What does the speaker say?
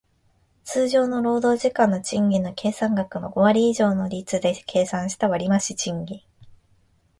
通常の労働時間の賃金の計算額の五割以上の率で計算した割増賃金